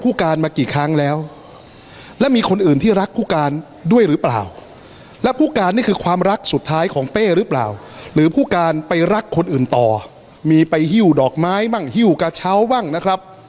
ออกไม้บ้างหิวกระเช้าบ้างนะครับ